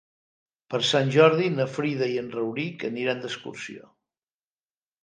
Per Sant Jordi na Frida i en Rauric aniran d'excursió.